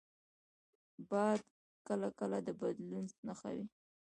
باد کله کله د بدلون نښه وي